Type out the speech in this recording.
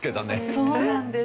そうなんです。